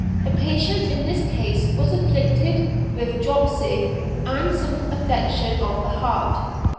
The patient in this case was afflicted with dropsy, and some affection of the heart.